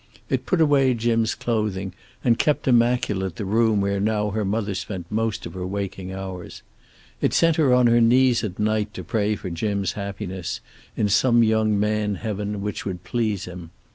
It put away Jim's clothing, and kept immaculate the room where now her mother spent most of her waking hours. It sent her on her knees at night to pray for Jim's happiness in some young man heaven which would please him.